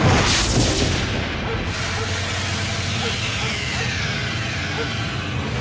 aku tidak akan menang